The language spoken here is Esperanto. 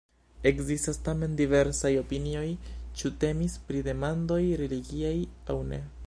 Ekzistas tamen diversaj opinioj, ĉu temis pri demandoj religiaj aŭ ne.